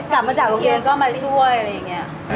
กลับมาจากโรคเรียนก็ไม่ช่วย